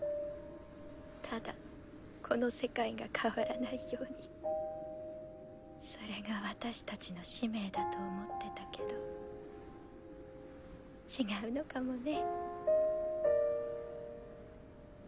ただこの世界が変わらないようにそれが私たちの使命だと思ってたけど違うのかもね。